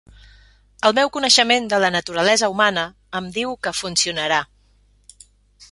El meu coneixement de la naturalesa humana em diu que funcionarà.